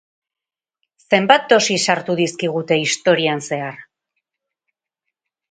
Zenbat dosi sartu dizkigute historian zehar?